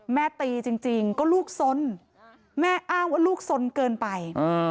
ตีจริงก็ลูกสนแม่อ้างว่าลูกสนเกินไป